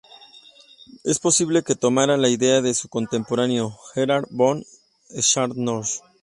Es posible que tomara la idea de su contemporáneo: Gerhard von Scharnhorst.